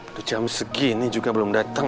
udah jam segini juga belum dateng